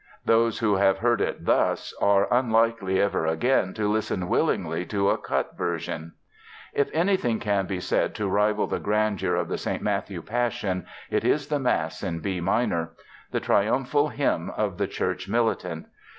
Those who have heard it thus are unlikely ever again to listen willingly to a cut version. If anything can be said to rival the grandeur of the St. Matthew Passion it is the Mass in B minor, the triumphal hymn of the church militant.